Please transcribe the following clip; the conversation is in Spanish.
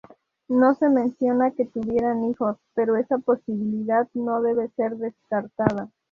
No se menciona que tuvieran hijos, pero esa posibilidad no debe ser descartada.